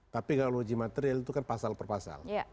tapi kalau uji material itu kan pasal per pasal